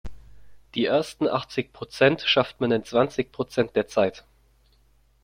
Die ersten achtzig Prozent schafft man in zwanzig Prozent der Zeit.